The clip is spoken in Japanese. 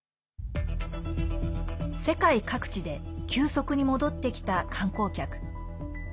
世界各地で急速に戻ってきた観光客。